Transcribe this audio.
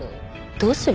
どうする？